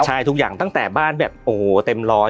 ใช่ทุกอย่างตั้งแต่บ้านแบบโอ้โหเต็มร้อย